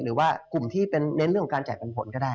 หรือว่ากลุ่มที่เป็นเน้นเรื่องของการจ่ายปันผลก็ได้